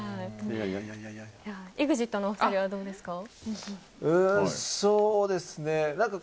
ＥＸＩＴのお二人はどうですか？